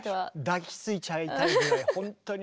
抱きついちゃいたいぐらいほんとに。